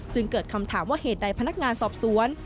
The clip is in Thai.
เกิดคำถามว่าเหตุใดพนักงานสอบสวน